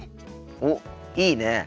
おっいいねえ。